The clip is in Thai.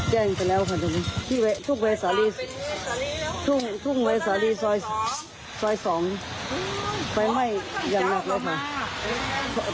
แจ้งไปแล้วค่ะทุกเวสาลีทุกเวสาลีซอย๒ไปไหม้อย่างหนักเลยค่ะ